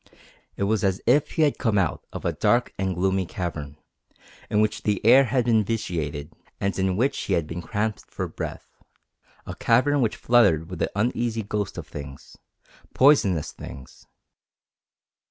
It was as if he had come out of a dark and gloomy cavern, in which the air had been vitiated and in which he had been cramped for breath a cavern which fluttered with the uneasy ghosts of things, poisonous things.